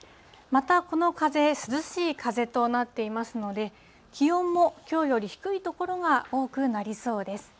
また、この風、涼しい風となっていますので、気温もきょうより低い所が多くなりそうです。